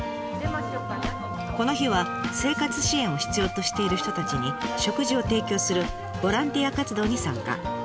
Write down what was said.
この日は生活支援を必要としている人たちに食事を提供するボランティア活動に参加。